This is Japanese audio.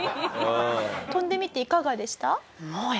飛んでみていかがでした？